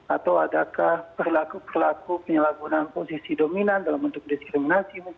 atau adakah perilaku perilaku penyalahgunaan posisi dominan dalam bentuk diskriminasi